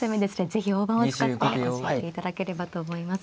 是非大盤を使って教えていただければと思います。